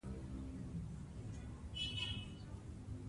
ایا تعلیم د بېوزلۍ مخه نیسي؟